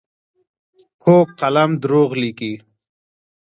کوږ قلم دروغ لیکي